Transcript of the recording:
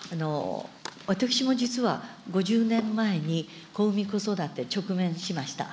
私も実は５０年前に子を産み、子育て直面しました。